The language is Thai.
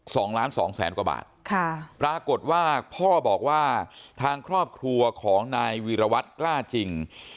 สองล้านสองแสนกว่าบาทค่ะปรากฏว่าพ่อบอกว่าทางครอบครัวของนายวีรวัตรกล้าจริง